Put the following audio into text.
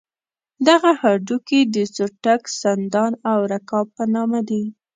دغه هډوکي د څټک، سندان او رکاب په نامه دي.